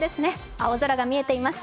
青空が見えています。